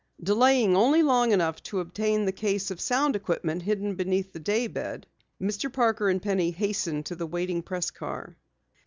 Delaying only long enough to obtain the case of sound equipment hidden beneath the daybed, Mr. Parker and Penny hastened to the waiting press car.